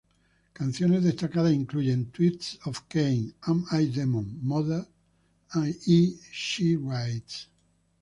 Canciones destacadas incluyen "Twist of Cain", "Am I Demon", "Mother", y "She Rides".